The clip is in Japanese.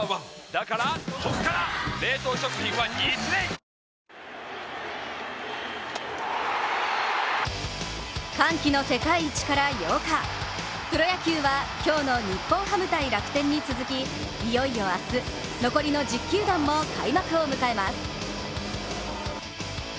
「カルピスＴＨＥＲＩＣＨ」歓喜の世界一から８日、プロ野球は今日の日本ハム×楽天に続きいよいよ明日、残りの１０球団も開幕を迎えます。